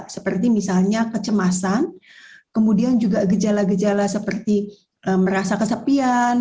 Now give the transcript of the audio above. seperti misalnya kecemasan kemudian juga gejala gejala seperti merasa kesepian